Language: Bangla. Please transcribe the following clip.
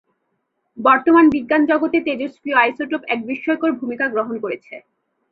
বর্তমান বিজ্ঞান জগতে তেজস্ক্রিয় আইসোটোপ এক বিস্ময়কর ভূমিকা গ্রহণ করেছে।